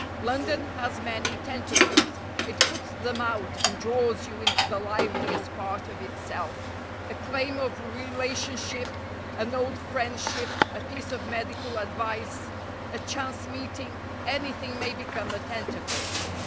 London has many tentacles; it puts them out and draws you into the liveliest part of itself. A claim of relationship, an old friendship, a piece of medical advice, a chance meeting anything may become a tentacle.